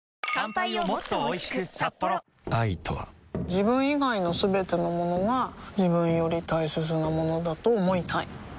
自分以外のすべてのものが自分より大切なものだと思いたい